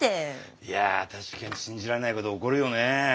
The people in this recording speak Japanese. いや確かに信じられないこと起こるよね。